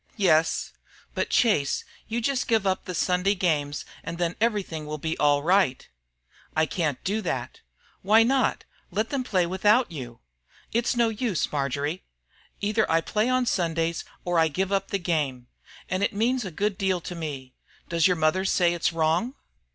"Yes. But, Chase, you just give up the Sunday games, and then everything will be all right again." "I can't do that." "Why not? Let them play without you." "It's no use, Marjory. Either I play on Sundays or give up the game. And it means a good deal to me. Does your mother say it's wrong?"